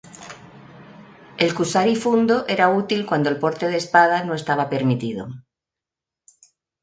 El "kusari-fundo" era útil cuando el porte de espada no estaba permitido.